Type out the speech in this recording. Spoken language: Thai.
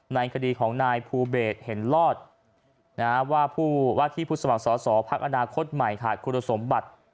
ในคดีของนายภูเบศเห็นลอดว่าผู้ว่าที่ผู้สมัครสอสอพักอนาคตใหม่ขาดคุณสมบัติ